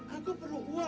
aku perlu uang karena